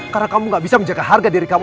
karena kamu gak bisa menjaga harga diri kamu